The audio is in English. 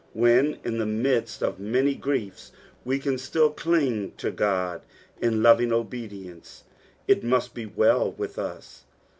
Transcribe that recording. When in the midst of many griefs we can still cling to Ood in loving obedience, it must be well with us.